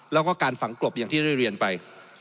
แล้วก็การฝังกลบอย่างที่ได้เรียนไป